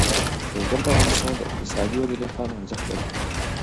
لوگر د افغانستان د اقتصادي ودې لپاره ارزښت لري.